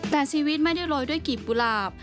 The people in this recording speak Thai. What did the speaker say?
แต่ชีวิตไม่ได้โรยด้วยกีบกุหลาบ